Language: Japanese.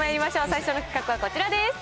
最初の企画はこちらです。